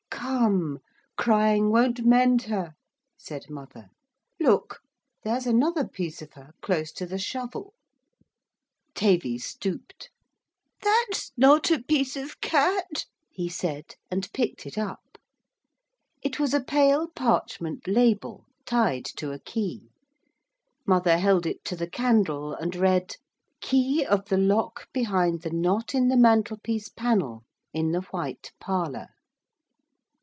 'Come, crying won't mend her,' said mother. 'Look, there's another piece of her, close to the shovel.' Tavy stooped. 'That's not a piece of cat,' he said, and picked it up. It was a pale parchment label, tied to a key. Mother held it to the candle and read: '_Key of the lock behind the knot in the mantelpiece panel in the white parlour.